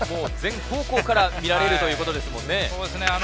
全方向から見られるということですもんね。